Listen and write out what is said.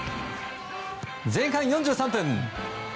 前半４３分。